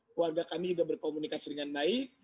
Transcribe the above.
keluarga kami juga berkomunikasi dengan baik